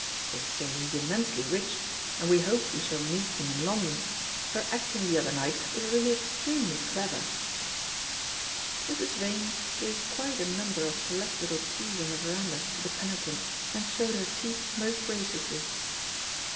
They say he's immensely rich, and we hope we shall meet them in London. Her acting the other night was really extremely clever." Mrs. Vane gave quite a number of select little teas on the verandah to the penitent, and showed her teeth most graciously.